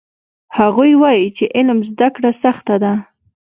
هغوی وایي چې علم زده کړه سخته ده